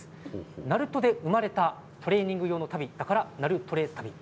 鳴門で生まれたトレーニング用の足袋だから、ナルトレタビ。